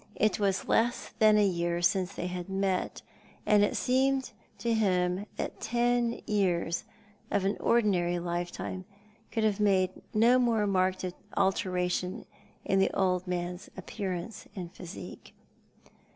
It was less than a year since they had met, and it seemed to him that ten years of an ordinary lifetime could have made no more marked alteration in the old man's appearance and physique.